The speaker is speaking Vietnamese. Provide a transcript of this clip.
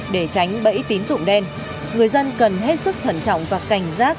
để tránh bẫy tín dụng đen người dân cần hết sức thận trọng và cảnh giác